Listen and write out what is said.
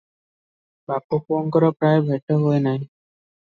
ବାପ ପୁଅଙ୍କର ପ୍ରାୟ ଭେଟ ହୁଏ ନାହିଁ ।